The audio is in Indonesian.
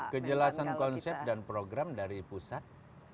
kejelasan konsep dan program dari pusat